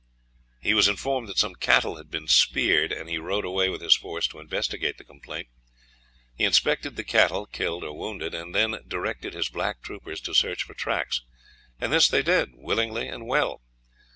He was informed that some cattle had been speared, and he rode away with his force to investigate the complaint. He inspected the cattle killed or wounded, and then directed his black troopers to search for tracks, and this they did willingly and well.